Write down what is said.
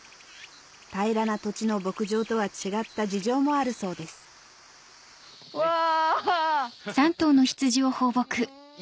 平らな土地の牧場とは違った事情もあるそうですわぁ！